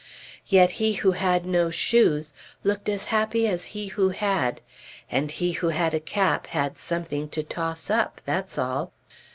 Yet he who had no shoes looked as happy as he who had, and he who had a cap had something to toss up, that's all.